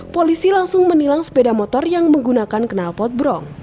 polisi langsung menilang sepeda motor yang menggunakan kenal potbrong